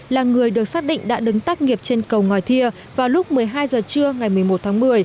là người được xác định đã đứng tác nghiệp trên cầu ngòi thia vào lúc một mươi hai h trưa ngày một mươi một tháng một mươi